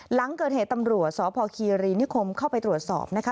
หลังเกิดเหตุตำรวจสพคีรีนิคมเข้าไปตรวจสอบนะคะ